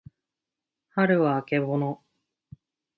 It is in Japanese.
はるはあけぼの